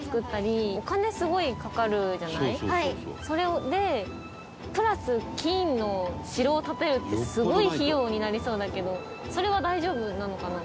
それをでプラス金の城を建てるってすごい費用になりそうだけどそれは大丈夫なのかな？